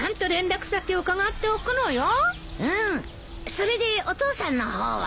それでお父さんの方は？